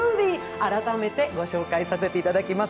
改めてご紹介させていただきます。